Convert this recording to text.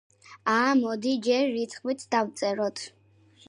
ა, მოდი, ჯერ რიცხვიც დავწეროთ.